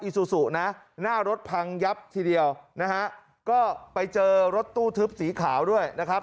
ซูซูนะหน้ารถพังยับทีเดียวนะฮะก็ไปเจอรถตู้ทึบสีขาวด้วยนะครับ